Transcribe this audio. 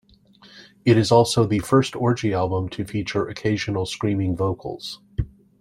It is also the first Orgy album to feature occasional screaming vocals.